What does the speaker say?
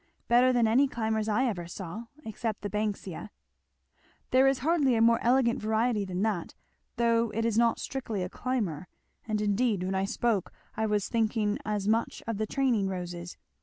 "Better than any climbers I ever saw except the Banksia." "There is hardly a more elegant variety than that, though it is not strictly a climber; and indeed when I spoke I was thinking as much of the training roses.